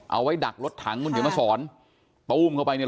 เอาไว้ดักรถถังมึงอยู่มาสอนประอุ่มเข้าไปเนี่ย